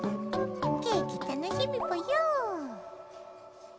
ケーキ楽しみぽよ。